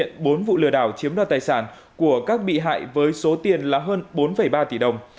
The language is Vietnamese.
hiện bốn vụ lừa đảo chiếm đoạt tài sản của các bị hại với số tiền là hơn bốn ba tỷ đồng